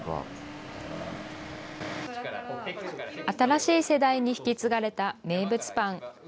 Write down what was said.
新しい世代に引き継がれた名物パン。